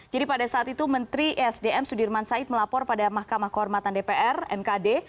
jadi pada saat itu menteri esdm sudirman said melapor pada mahkamah kehormatan dpr mkd